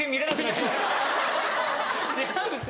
違うんです